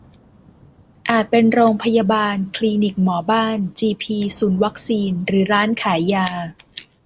อาจเป็นโรงพยาบาล คลีนิกหมอบ้าน จีพี ศูนย์วัคซีน หรือร้านขายยา